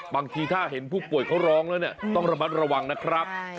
บางทีถ้าเห็นผู้ป่วยเขาร้องแล้วเนี่ยต้องระมัดระวังนะครับ